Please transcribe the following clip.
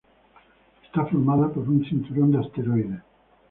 Está formada por un cinturón de asteroides.